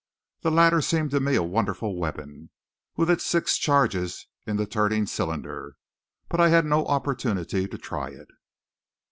The latter seemed to me a wonderful weapon, with its six charges in the turning cylinder; but I had no opportunity to try it.